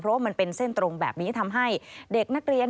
เพราะว่ามันเป็นเส้นตรงแบบนี้ทำให้เด็กนักเรียน